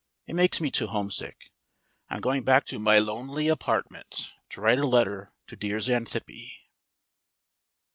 It makes me too homesick. I am going back to my lonely apartment to write a letter to dear Xanthippe.